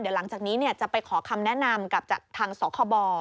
เดี๋ยวหลังจากนี้จะไปขอคำแนะนำกับจากทางสคบ